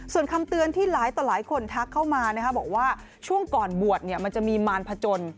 ส่วนคำเตือนที่หลายต่อหลายคนทักเข้ามาบอกว่าช่วงก่อนบวชมันจะมีมารพจน